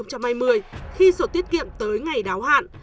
với sổ tiết kiệm tới ngày đáo hạn